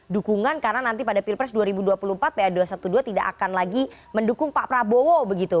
dukungan karena nanti pada pilpres dua ribu dua puluh empat pa dua ratus dua belas tidak akan lagi mendukung pak prabowo begitu